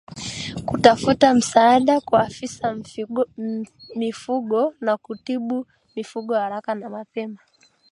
Kutafuta msaada kwa afisa mifugo na kutibu mifugo haraka na mapema